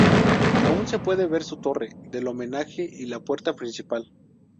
Aún se puede ver su torre del homenaje y la puerta principal.